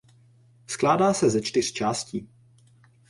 Skládá se ze čtyř částí.